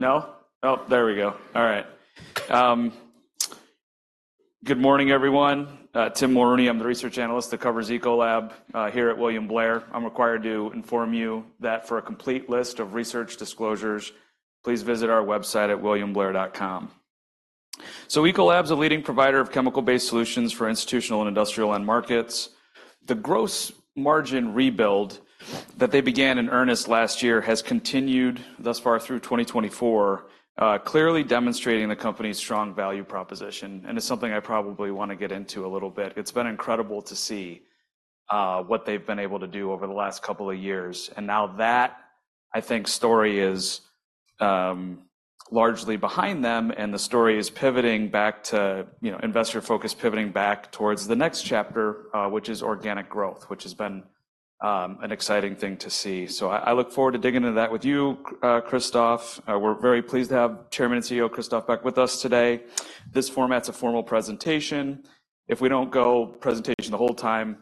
...No? Oh, there we go. All right. Good morning, everyone. Tim Mulrooney, I'm the research analyst that covers Ecolab here at William Blair. I'm required to inform you that for a complete list of research disclosures, please visit our website at williamblair.com. So Ecolab's a leading provider of chemical-based solutions for institutional and industrial end markets. The gross margin rebuild that they began in earnest last year has continued thus far through 2024, clearly demonstrating the company's strong value proposition, and it's something I probably want to get into a little bit. It's been incredible to see what they've been able to do over the last couple of years, and now that, I think, story is largely behind them, and the story is pivoting back to, you know, investor focus, pivoting back towards the next chapter, which is organic growth, which has been an exciting thing to see. So I, I look forward to digging into that with you, Christophe. We're very pleased to have Chairman and CEO Christophe Beck with us today. This format's a formal presentation. If we don't go presentation the whole time,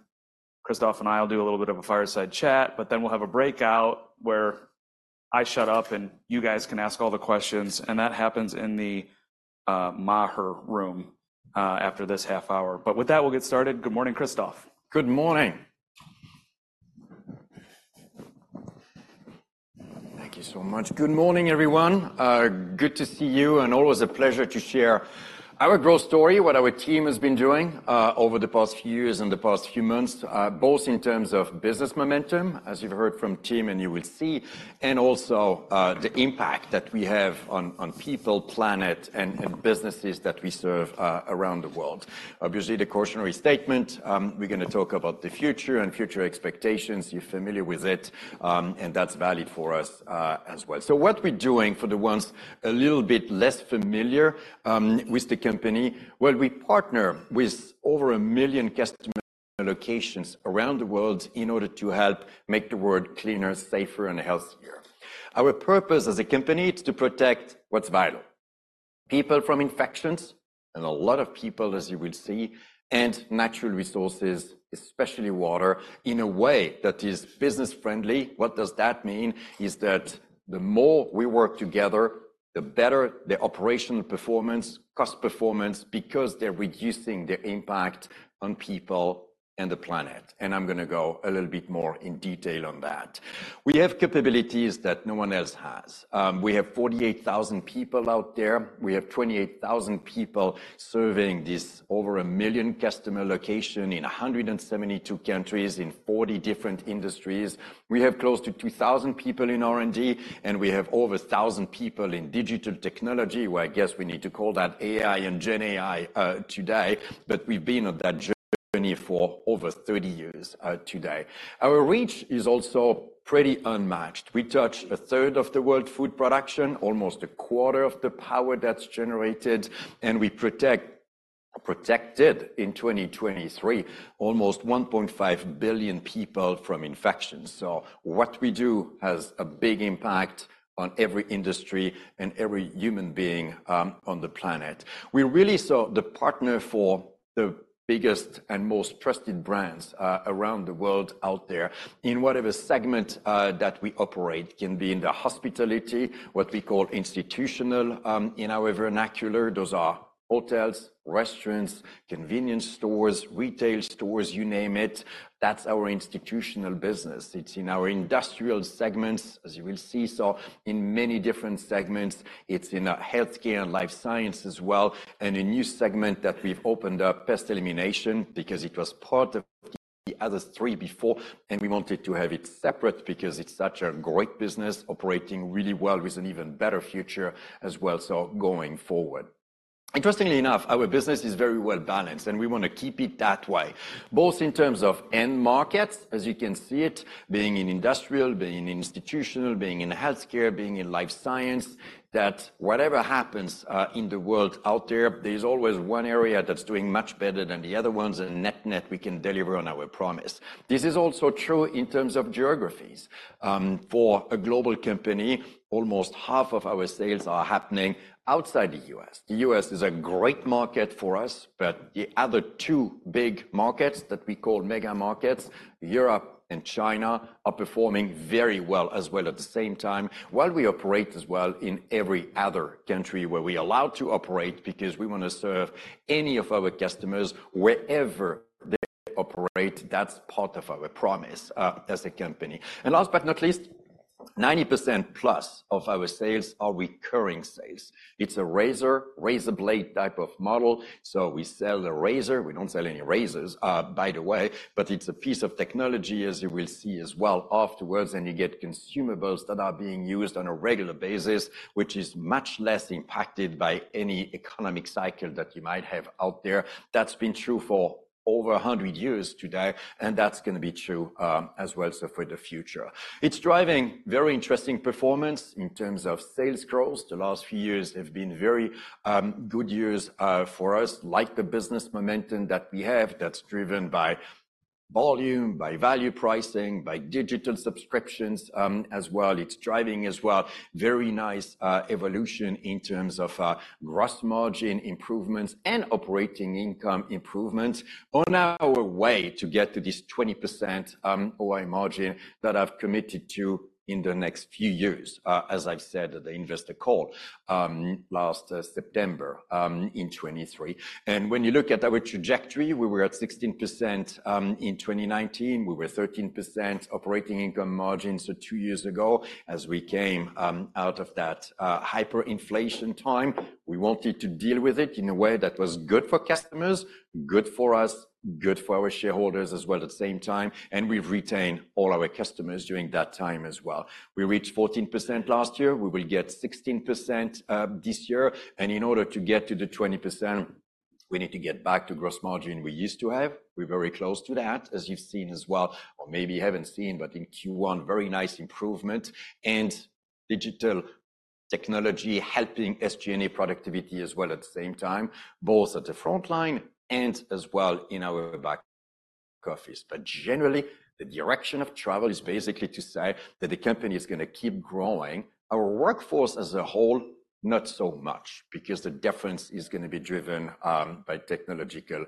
Christophe and I will do a little bit of a fireside chat, but then we'll have a breakout where I shut up, and you guys can ask all the questions, and that happens in the Maher Room after this half hour. But with that, we'll get started. Good morning, Christophe. Good morning. Thank you so much. Good morning, everyone. Good to see you, and always a pleasure to share our growth story, what our team has been doing, over the past few years and the past few months, both in terms of business momentum, as you've heard from Tim, and you will see, and also, the impact that we have on, on people, planet, and, and businesses that we serve, around the world. Obviously, the cautionary statement, we're gonna talk about the future and future expectations. You're familiar with it, and that's valid for us, as well. So what we're doing, for the ones a little bit less familiar, with the company, well, we partner with over 1 million customer locations around the world in order to help make the world cleaner, safer, and healthier. Our purpose as a company is to protect what's vital: people from infections, and a lot of people, as you will see, and natural resources, especially water, in a way that is business-friendly. What does that mean? Is that the more we work together, the better the operational performance, cost performance, because they're reducing the impact on people and the planet, and I'm gonna go a little bit more in detail on that. We have capabilities that no one else has. We have 48,000 people out there. We have 28,000 people serving this over 1 million customer location in 172 countries in 40 different industries. We have close to 2,000 people in R&D, and we have over 1,000 people in digital technology. Well, I guess we need to call that AI and GenAI today, but we've been on that journey for over 30 years today. Our reach is also pretty unmatched. We touch a third of the world food production, almost a quarter of the power that's generated, and we protect, protected in 2023, almost 1.5 billion people from infections. So what we do has a big impact on every industry and every human being on the planet. We're really so the partner for the biggest and most trusted brands around the world out there in whatever segment that we operate. It can be in the hospitality, what we call institutional in our vernacular. Those are hotels, restaurants, convenience stores, retail stores, you name it. That's our institutional business. It's in our industrial segments, as you will see, so in many different segments. It's in healthcare and life science as well, and a new segment that we've opened up, Pest Elimination, because it was part of the other three before, and we wanted to have it separate because it's such a great business, operating really well with an even better future as well, so going forward. Interestingly enough, our business is very well-balanced, and we want to keep it that way, both in terms of end markets, as you can see it, being in industrial, being in institutional, being in healthcare, being in life science, that whatever happens in the world out there, there's always one area that's doing much better than the other ones, and net-net, we can deliver on our promise. This is also true in terms of geographies. For a global company, almost half of our sales are happening outside the U.S. The U.S. is a great market for us, but the other two big markets that we call mega markets, Europe and China, are performing very well as well at the same time, while we operate as well in every other country where we are allowed to operate because we want to serve any of our customers wherever they operate. That's part of our promise as a company. And last but not least, 90%+ of our sales are recurring sales. It's a razor, razor blade type of model, so we sell the razor. We don't sell any razors, by the way, but it's a piece of technology, as you will see as well afterwards, and you get consumables that are being used on a regular basis, which is much less impacted by any economic cycle that you might have out there. That's been true for over a hundred years today, and that's gonna be true, as well, so for the future. It's driving very interesting performance in terms of sales growth. The last few years have been very good years for us. Like the business momentum that we have, that's driven by volume, by value pricing, by digital subscriptions, as well. It's driving as well, very nice evolution in terms of gross margin improvements and operating income improvements. On our way to get to this 20% OI margin that I've committed to in the next few years, as I've said at the investor call last September 2023. When you look at our trajectory, we were at 16% in 2019. We were 13% operating income margin, so two years ago, as we came out of that hyperinflation time, we wanted to deal with it in a way that was good for customers, good for us, good for our shareholders as well at the same time, and we've retained all our customers during that time as well. We reached 14% last year. We will get 16% this year, and in order to get to the 20%, we need to get back to gross margin we used to have. We're very close to that, as you've seen as well, or maybe you haven't seen, but in Q1, very nice improvement and digital technology helping SG&A productivity as well at the same time, both at the frontline and as well in our back office. But generally, the direction of travel is basically to say that the company is gonna keep growing. Our workforce as a whole, not so much, because the difference is gonna be driven by technological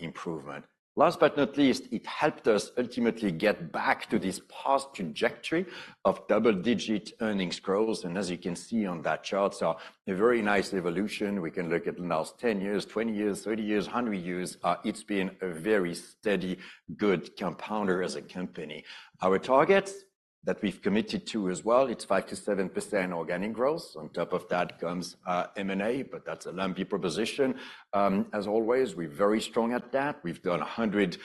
improvement. Last but not least, it helped us ultimately get back to this past trajectory of double-digit earnings growth, and as you can see on that chart, so a very nice evolution. We can look at the last 10 years, 20 years, 30 years, 100 years. It's been a very steady, good compounder as a company. Our targets that we've committed to as well, it's 5%-7% organic growth. On top of that comes, M&A, but that's a lumpy proposition. As always, we're very strong at that. We've done 100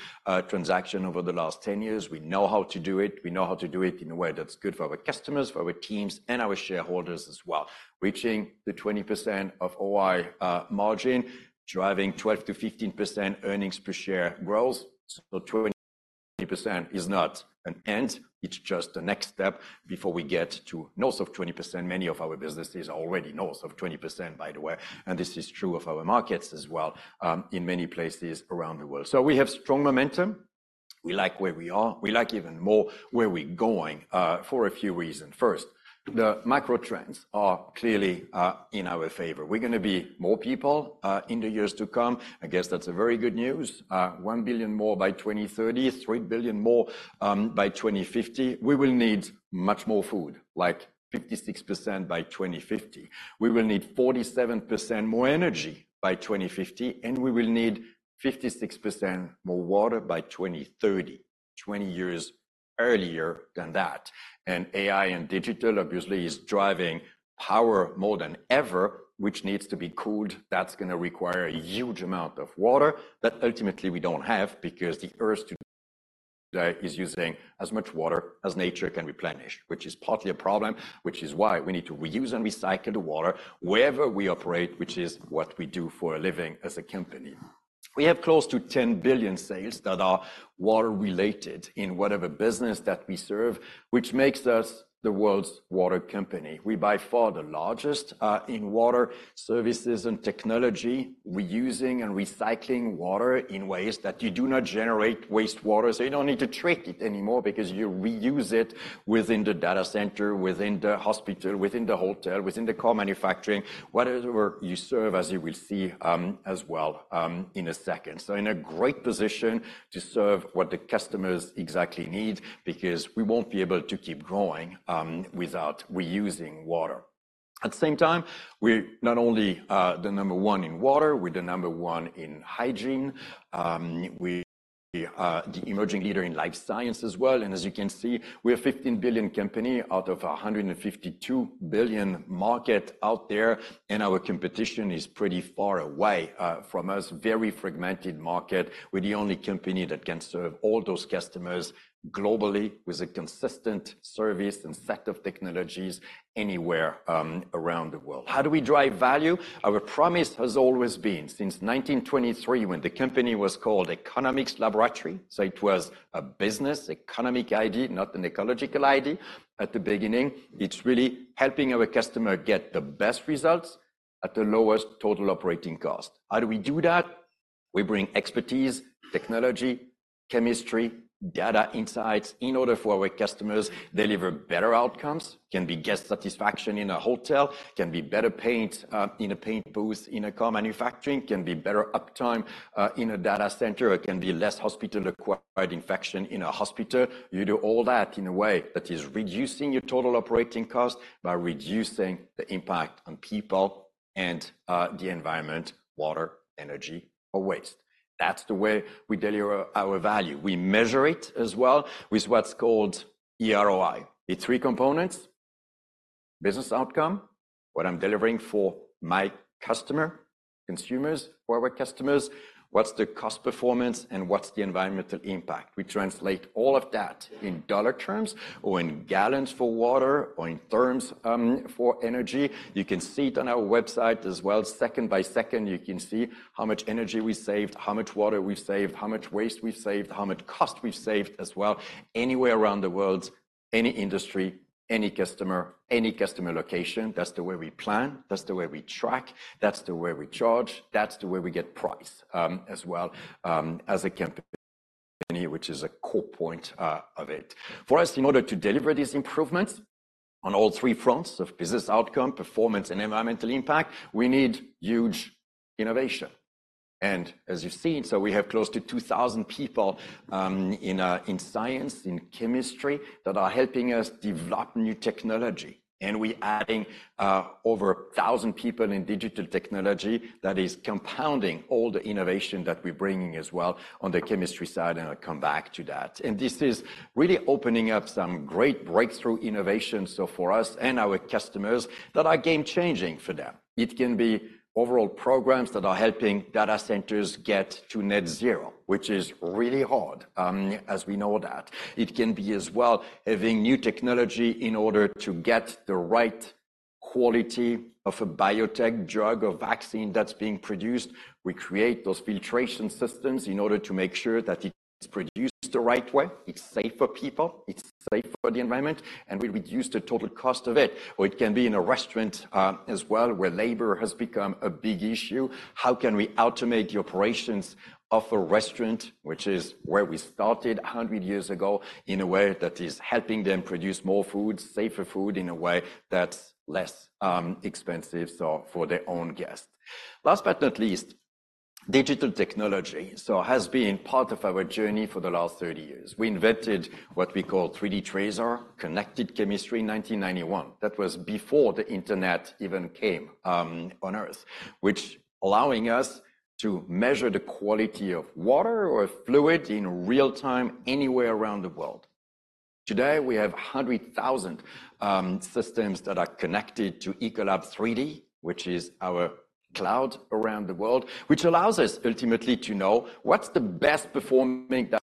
transaction over the last 10 years. We know how to do it. We know how to do it in a way that's good for our customers, for our teams, and our shareholders as well. Reaching the 20% of OI margin, driving 12%-15% earnings per share growth. So 20% is not an end, it's just the next step before we get to north of 20%. Many of our businesses are already north of 20%, by the way, and this is true of our markets as well, in many places around the world. So we have strong momentum. We like where we are. We like even more where we're going, for a few reasons. First, the macro trends are clearly in our favor. We're gonna be more people in the years to come. I guess that's a very good news. One billion more by 2030, 3 billion more by 2050. We will need much more food, like 56% by 2050. We will need 47% more energy by 2050, and we will need 56% more water by 2030, twenty years earlier than that. And AI and digital, obviously, is driving power more than ever, which needs to be cooled. That's gonna require a huge amount of water that ultimately we don't have, because the Earth is using as much water as nature can replenish, which is partly a problem, which is why we need to reuse and recycle the water wherever we operate, which is what we do for a living as a company. We have close to $10 billion sales that are water-related in whatever business that we serve, which makes us the world's water company. We're by far the largest in water services and technology, reusing and recycling water in ways that you do not generate wastewater. So you don't need to treat it anymore because you reuse it within the data center, within the hospital, within the hotel, within the car manufacturing, whatever you serve, as you will see, as well, in a second. So in a great position to serve what the customers exactly need, because we won't be able to keep growing, without reusing water. At the same time, we're not only, the number one in water, we're the number one in hygiene. We are, the emerging leader in life science as well, and as you can see, we're a $15 billion company out of a $152 billion market out there, and our competition is pretty far away, from us. Very fragmented market. We're the only company that can serve all those customers globally with a consistent service and set of technologies anywhere, around the world. How do we drive value? Our promise has always been, since 1923, when the company was called Economics Laboratory, so it was a business, economic idea, not an ecological idea at the beginning. It's really helping our customer get the best results at the lowest total operating cost. How do we do that? We bring expertise, technology, chemistry, data insights, in order for our customers deliver better outcomes. Can be guest satisfaction in a hotel, can be better paint in a paint booth, in a car manufacturing, can be better uptime in a data center, or it can be less hospital-acquired infection in a hospital. You do all that in a way that is reducing your total operating cost by reducing the impact on people and the environment, water, energy, or waste. That's the way we deliver our value. We measure it as well with what's called eROI. It's three components: business outcome, what I'm delivering for my customer, consumers, for our customers, what's the cost performance, and what's the environmental impact? We translate all of that in dollar terms or in gallons for water or in terms for energy. You can see it on our website as well. Second by second, you can see how much energy we saved, how much water we've saved, how much waste we've saved, how much cost we've saved as well, anywhere around the world... any industry, any customer, any customer location. That's the way we plan, that's the way we track, that's the way we charge, that's the way we get price, as well, as a company, which is a core point of it. For us, in order to deliver these improvements on all three fronts of business outcome, performance, and environmental impact, we need huge innovation. As you've seen, we have close to 2,000 people in science, in chemistry, that are helping us develop new technology, and we adding over 1,000 people in digital technology that is compounding all the innovation that we're bringing as well on the chemistry side, and I'll come back to that. And this is really opening up some great breakthrough innovations, so for us and our customers, that are game-changing for them. It can be overall programs that are helping data centers get to net zero, which is really hard, as we know that. It can be as well, having new technology in order to get the right quality of a biotech drug or vaccine that's being produced. We create those filtration systems in order to make sure that it's produced the right way, it's safe for people, it's safe for the environment, and we reduce the total cost of it. Or it can be in a restaurant, as well, where labor has become a big issue. How can we automate the operations of a restaurant, which is where we started 100 years ago, in a way that is helping them produce more food, safer food, in a way that's less expensive, so for their own guests? Last but not least, digital technology, so has been part of our journey for the last 30 years. We invented what we call 3D TRASAR Connected Chemistry in 1991. That was before the internet even came on Earth, which allowing us to measure the quality of water or fluid in real time anywhere around the world. Today, we have 100,000 systems that are connected to ECOLAB3D, which is our cloud around the world, which allows us ultimately to know what's the best performing data center out there? What's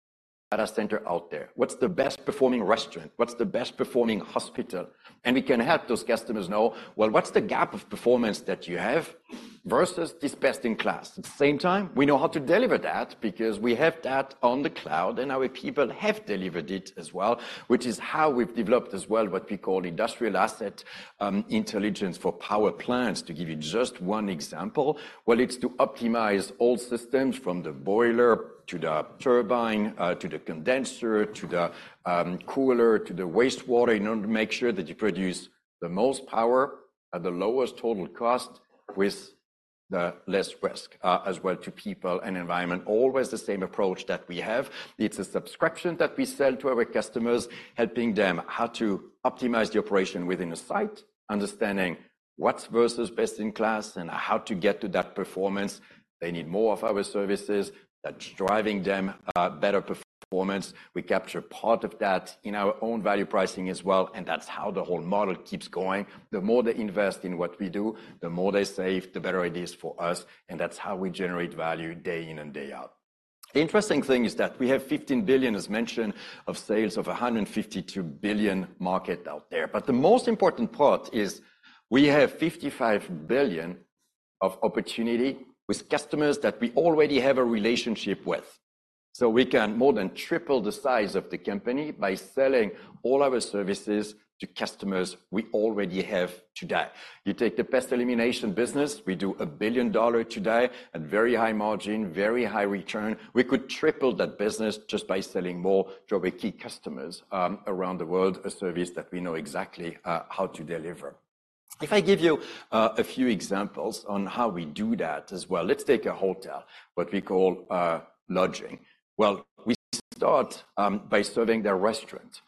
the best performing restaurant? What's the best performing hospital? And we can help those customers know, well, what's the gap of performance that you have versus this best-in-class? At the same time, we know how to deliver that because we have that on the cloud, and our people have delivered it as well, which is how we've developed as well, what we call Industrial Asset Intelligence for power plants, to give you just one example. Well, it's to optimize all systems from the boiler to the turbine, to the condenser, to the cooler, to the wastewater, in order to make sure that you produce the most power at the lowest total cost with the less risk, as well to people and environment. Always the same approach that we have. It's a subscription that we sell to our customers, helping them how to optimize the operation within a site, understanding what's versus best-in-class, and how to get to that performance. They need more of our services. That's driving them better performance. We capture part of that in our own value pricing as well, and that's how the whole model keeps going. The more they invest in what we do, the more they save, the better it is for us, and that's how we generate value day in and day out. The interesting thing is that we have $15 billion, as mentioned, of sales of a $152 billion market out there. But the most important part is we have $55 billion of opportunity with customers that we already have a relationship with. So we can more than triple the size of the company by selling all our services to customers we already have today. You take the pest elimination business, we do $1 billion today at very high margin, very high return. We could triple that business just by selling more to our key customers around the world, a service that we know exactly how to deliver. If I give you a few examples on how we do that as well, let's take a hotel, what we call lodging. Well, we start by serving their restaurant.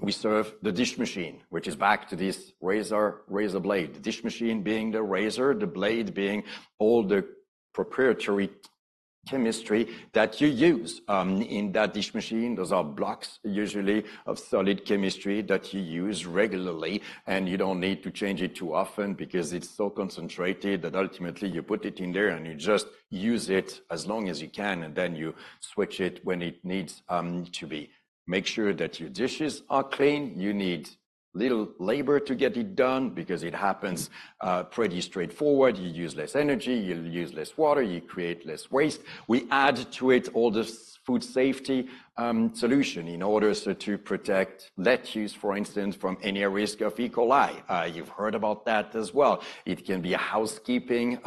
We serve the dish machine, which is back to this razor, razor blade. The dish machine being the razor, the blade being all the proprietary chemistry that you use in that dish machine. Those are blocks, usually of solid chemistry that you use regularly, and you don't need to change it too often because it's so concentrated that ultimately you put it in there, and you just use it as long as you can, and then you switch it when it needs to be. Make sure that your dishes are clean. You need little labor to get it done because it happens pretty straightforward. You use less energy, you use less water, you create less waste. We add to it all this food safety solution in order so to protect lettuce, for instance, from any risk of E. coli. You've heard about that as well. It can be housekeeping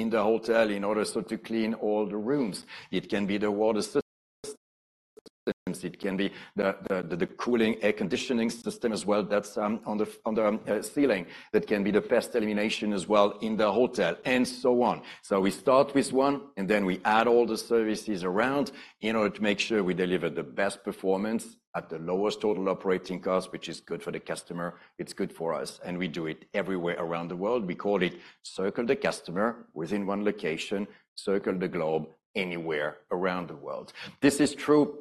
in the hotel in order so to clean all the rooms. It can be the water system. It can be the cooling air conditioning system as well, that's on the ceiling. That can be the pest elimination as well in the hotel, and so on. So we start with one, and then we add all the services around in order to make sure we deliver the best performance at the lowest total operating cost, which is good for the customer, it's good for us, and we do it everywhere around the world. We call it Circle the Customer within one location, Circle the Globe anywhere around the world. This is true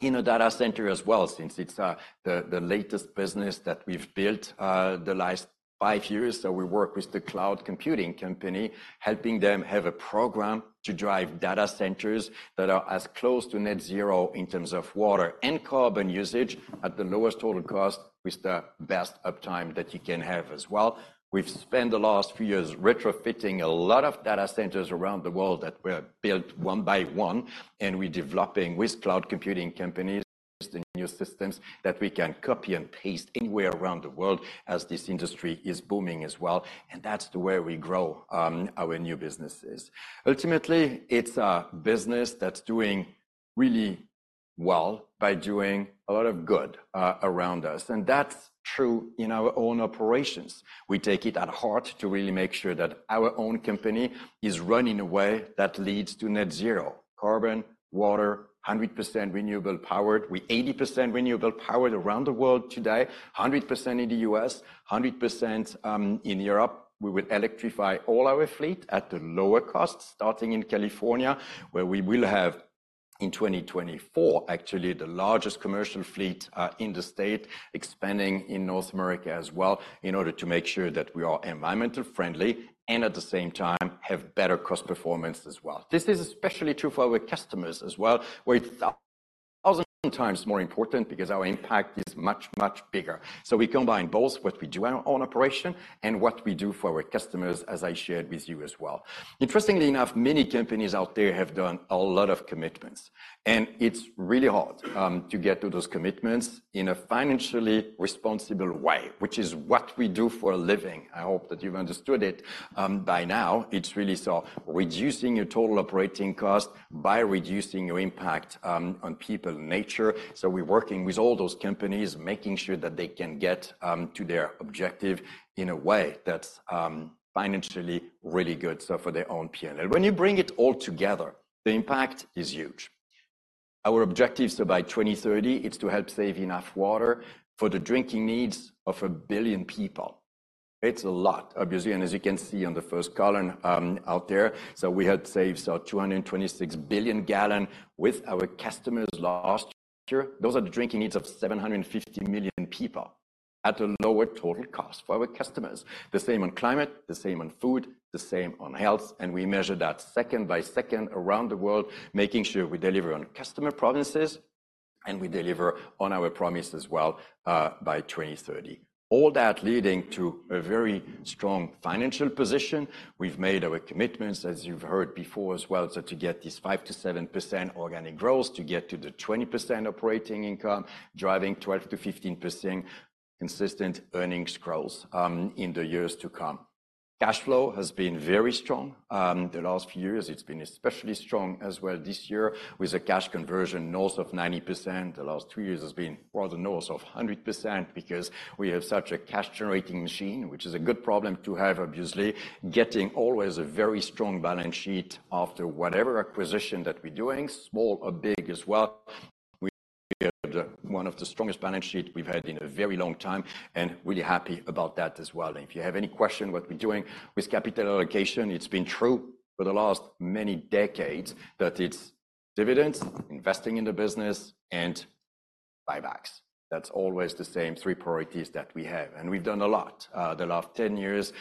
in a data center as well, since it's the latest business that we've built, the last five years. So we work with the cloud computing company, helping them have a program to drive data centers that are as close to net zero in terms of water and carbon usage at the lowest total cost, with the best uptime that you can have as well. We've spent the last few years retrofitting a lot of data centers around the world that were built one by one, and we're developing with cloud computing companies the new systems that we can copy and paste anywhere around the world as this industry is booming as well, and that's the way we grow our new businesses. Ultimately, it's a business that's doing really well by doing a lot of good around us, and that's true in our own operations. We take it at heart to really make sure that our own company is run in a way that leads to net zero. Carbon, water, 100% renewable powered. We're 80% renewable powered around the world today, 100% in the U.S., 100% in Europe. We will electrify all our fleet at the lower cost, starting in California, where we will have, in 2024, actually the largest commercial fleet in the state, expanding in North America as well, in order to make sure that we are environmental friendly, and at the same time, have better cost performance as well. This is especially true for our customers as well, where it's 1,000 times more important because our impact is much, much bigger. So we combine both what we do in our own operation and what we do for our customers, as I shared with you as well. Interestingly enough, many companies out there have done a lot of commitments, and it's really hard to get to those commitments in a financially responsible way, which is what we do for a living. I hope that you've understood it by now. It's really so reducing your total operating cost by reducing your impact on people and nature. So we're working with all those companies, making sure that they can get to their objective in a way that's financially really good, so for their own P&L. When you bring it all together, the impact is huge. Our objectives are by 2030, it's to help save enough water for the drinking needs of 1 billion people. It's a lot, obviously, and as you can see on the first column out there, so we had saved 226 billion gallon with our customers last year. Those are the drinking needs of 750 million people at a lower total cost for our customers. The same on climate, the same on food, the same on health, and we measure that second by second around the world, making sure we deliver on customer promises, and we deliver on our promise as well by 2030. All that leading to a very strong financial position. We've made our commitments, as you've heard before as well, so to get these 5%-7% organic growth, to get to the 20% operating income, driving 12%-15% consistent earnings growth in the years to come. Cash flow has been very strong, the last few years. It's been especially strong as well this year, with a cash conversion north of 90%. The last three years has been further north of 100% because we have such a cash-generating machine, which is a good problem to have, obviously, getting always a very strong balance sheet after whatever acquisition that we're doing, small or big as well. We have one of the strongest balance sheet we've had in a very long time, and really happy about that as well. And if you have any question what we're doing with capital allocation, it's been true for the last many decades, that it's dividends, investing in the business, and buybacks. That's always the same three priorities that we have, and we've done a lot. The last 10 years,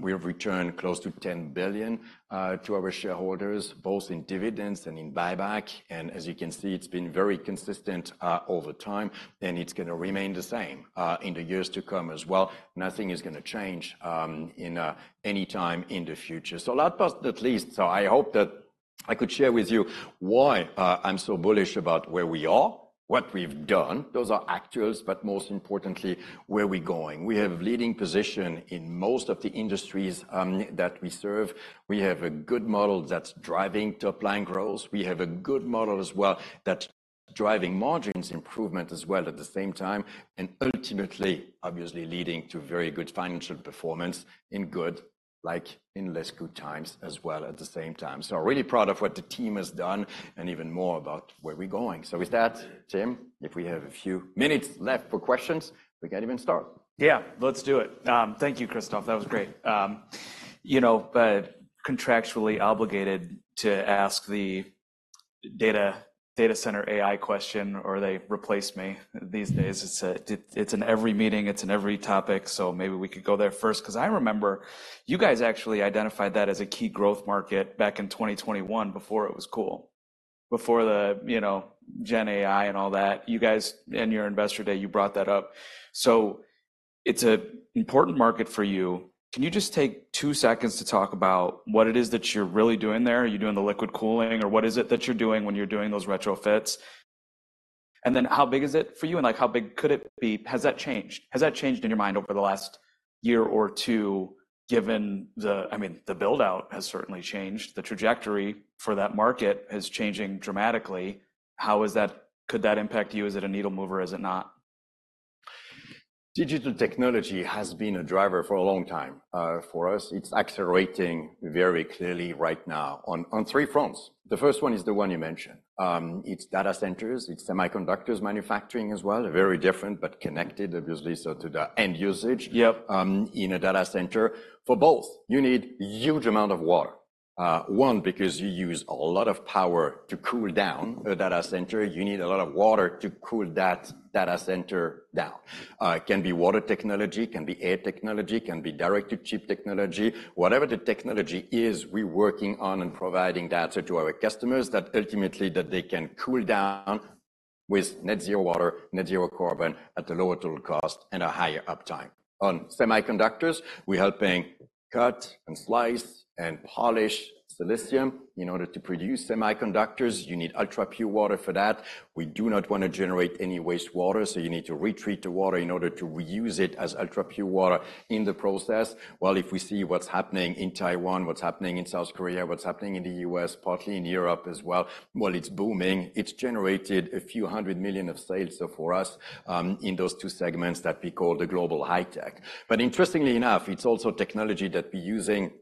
we have returned close to $10 billion to our shareholders, both in dividends and in buyback. And as you can see, it's been very consistent over time, and it's gonna remain the same in the years to come as well. Nothing is gonna change in any time in the future. So last but not least, so I hope that I could share with you why I'm so bullish about where we are, what we've done, those are actuals, but most importantly, where we're going. We have leading position in most of the industries that we serve. We have a good model that's driving top-line growth. We have a good model as well that's driving margins improvement as well at the same time, and ultimately, obviously leading to very good financial performance in good, like in less good times as well at the same time. So really proud of what the team has done and even more about where we're going. So with that, Tim, if we have a few minutes left for questions, we can even start. Yeah, let's do it. Thank you, Christophe. That was great. You know, but contractually obligated to ask the data center AI question, or they replace me these days. Mm-hmm. It's in every meeting, it's in every topic, so maybe we could go there first, 'cause I remember you guys actually identified that as a key growth market back in 2021 before it was cool, before the, you know, Gen AI and all that. You guys, in your Investor Day, you brought that up. So it's an important market for you. Can you just take two seconds to talk about what it is that you're really doing there? Are you doing the liquid cooling, or what is it that you're doing when you're doing those retrofits? And then how big is it for you, and like how big could it be? Has that changed? Has that changed in your mind over the last year or two, given the-- I mean, the build-out has certainly changed. The trajectory for that market is changing dramatically. How is that? Could that impact you? Is it a needle mover, is it not? Digital technology has been a driver for a long time. For us, it's accelerating very clearly right now on, on three fronts. The first one is the one you mentioned. It's data centers, it's semiconductors manufacturing as well. Very different, but connected, obviously, so to the end usage- Yep... in a data center. For both, you need huge amount of water. One, because you use a lot of power to cool down a data center, you need a lot of water to cool that data center down. It can be water technology, can be air technology, can be direct-to-chip technology. Whatever the technology is, we're working on and providing data to our customers that ultimately, that they can cool down with net zero water, net zero carbon at a lower total cost and a higher uptime. On semiconductors, we're helping cut and slice and polish silicon. In order to produce semiconductors, you need ultra-pure water for that. We do not want to generate any wastewater, so you need to treat the water in order to reuse it as ultra-pure water in the process. Well, if we see what's happening in Taiwan, what's happening in South Korea, what's happening in the U.S., partly in Europe as well, well, it's booming. It's generated a few hundred million of sales so for us in those two segments that we call the Global High Tech. But interestingly enough, it's also technology that we're using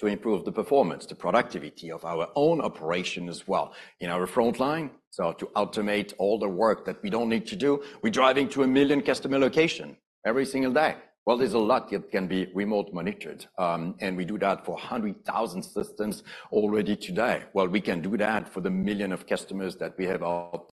to improve the performance, the productivity of our own operation as well. In our frontline, so to automate all the work that we don't need to do, we're driving to a million customer location every single day. Well, there's a lot that can be remote monitored, and we do that for 100,000 systems already today. Well, we can do that for the million of customers that we have out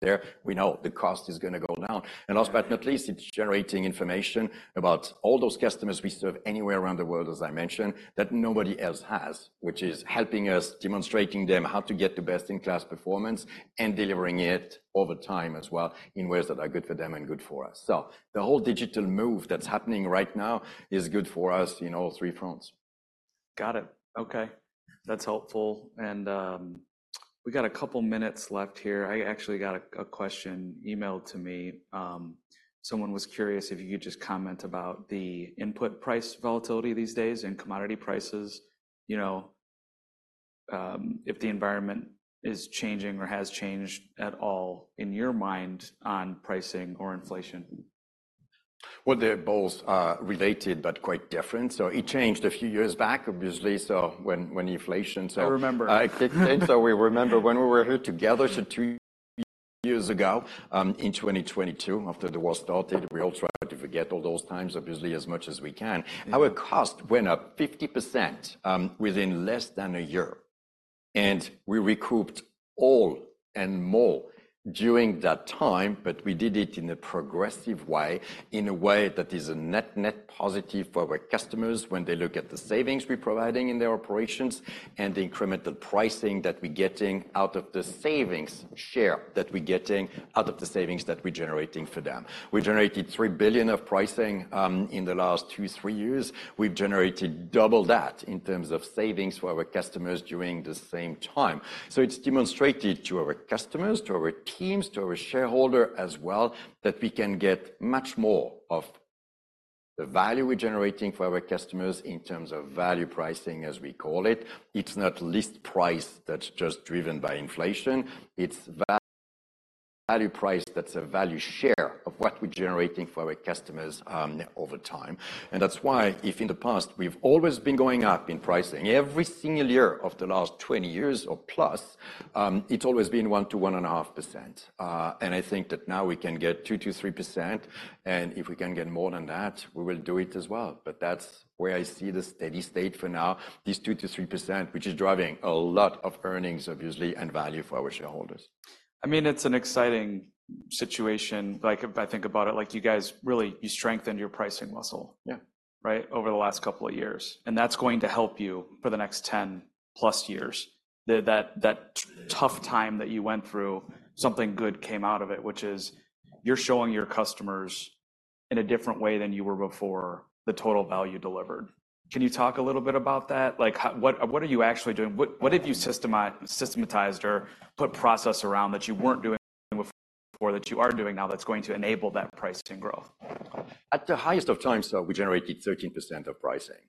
there. We know the cost is going to go down. And last but not least, it's generating information about all those customers we serve anywhere around the world, as I mentioned, that nobody else has, which is helping us demonstrating them how to get the best-in-class performance and delivering it over time as well in ways that are good for them and good for us. So the whole digital move that's happening right now is good for us in all three fronts. Got it. Okay, that's helpful. We got a couple of minutes left here. I actually got a question emailed to me. Someone was curious if you could just comment about the input price volatility these days and commodity prices. You know, if the environment is changing or has changed at all in your mind on pricing or inflation? Well, they're both related, but quite different. So it changed a few years back, obviously, so when, when inflation, so- I remember. I think so. We remember when we were here together, so two years ago, in 2022, after the war started. We all try to forget all those times, obviously, as much as we can. Mm-hmm. Our cost went up 50%, within less than a year, and we recouped all and more during that time, but we did it in a progressive way, in a way that is a net-net positive for our customers when they look at the savings we're providing in their operations and the incremental pricing that we're getting out of the savings share, that we're getting out of the savings that we're generating for them. We generated $3 billion of pricing, in the last two-three years. We've generated double that in terms of savings for our customers during the same time. So it's demonstrated to our customers, to our teams, to our shareholder as well, that we can get much more of the value we're generating for our customers in terms of value pricing, as we call it. It's not list price that's just driven by inflation. It's value price that's a value share of what we're generating for our customers over time. That's why, if in the past, we've always been going up in pricing every single year of the last 20 years or plus, it's always been 1%-1.5%. And I think that now we can get 2%-3%, and if we can get more than that, we will do it as well. But that's where I see the steady state for now, this 2%-3%, which is driving a lot of earnings, obviously, and value for our shareholders. I mean, it's an exciting situation. Like, if I think about it, like, you guys, really, you strengthened your pricing muscle- Yeah... right, over the last couple of years, and that's going to help you for the next 10+ years. The tough time that you went through, something good came out of it, which is you're showing your customers in a different way than you were before, the total value delivered. Can you talk a little bit about that? Like, how—what are you actually doing? What have you systematized or put process around that you weren't doing before that you are doing now that's going to enable that pricing growth? At the highest of times, so we generated 13% of pricing.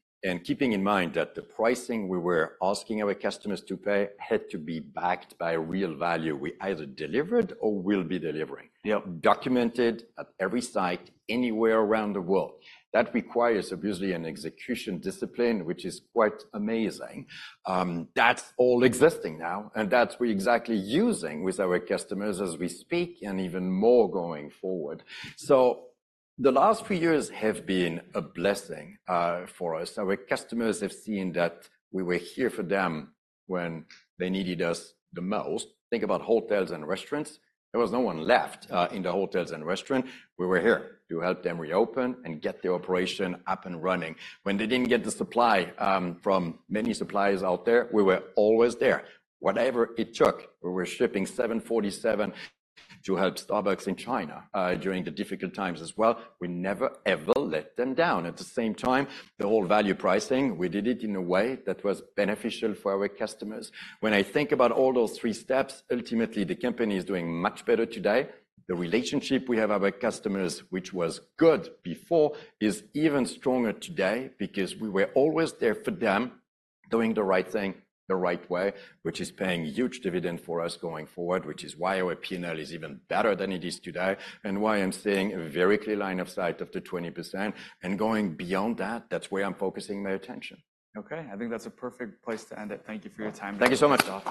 Keeping in mind that the pricing we were asking our customers to pay had to be backed by a real value we either delivered or will be delivering- Yep... documented at every site, anywhere around the world. That requires, obviously, an execution discipline, which is quite amazing. That's all existing now, and that's what we're exactly using with our customers as we speak, and even more going forward. So the last few years have been a blessing, for us. Our customers have seen that we were here for them when they needed us the most. Think about hotels and restaurants. There was no one left, in the hotels and restaurants. We were here to help them reopen and get their operation up and running. When they didn't get the supply, from many suppliers out there, we were always there. Whatever it took. We were shipping 747 to help Starbucks in China, during the difficult times as well. We never, ever let them down. At the same time, the whole value pricing, we did it in a way that was beneficial for our customers. When I think about all those three steps, ultimately, the company is doing much better today. The relationship we have with our customers, which was good before, is even stronger today because we were always there for them, doing the right thing the right way, which is paying huge dividend for us going forward, which is why our PNL is even better than it is today, and why I'm seeing a very clear line of sight of the 20%. And going beyond that, that's where I'm focusing my attention. Okay, I think that's a perfect place to end it. Thank you for your time. Thank you so much, Tim.